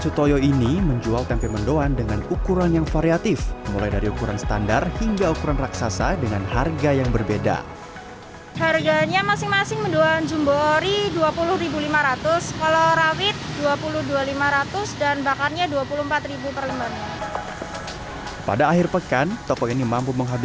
setelah icip icip mendoan jumbo di purwokerto orang indonesia belum kenyang rasanya kalau belum makan nasi